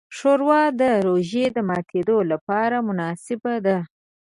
ښوروا د روژې د ماتیو لپاره مناسبه ده.